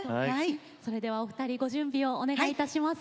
それではお二人ご準備をお願いいたします。